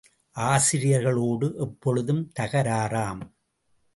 ஆசிரியர்களோடு எப்பொழுதும் தகராறாம்.